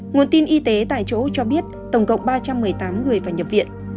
nguồn tin y tế tại chỗ cho biết tổng cộng ba trăm một mươi tám người phải nhập viện